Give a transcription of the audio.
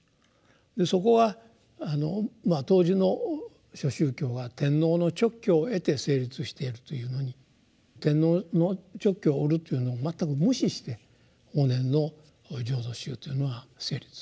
でそこは当時の諸宗教は天皇の勅許を得て成立しているというのに天皇の勅許を得るというのを全く無視して法然の「浄土宗」というのは成立すると。